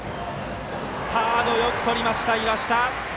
サード、よくとりました、岩下。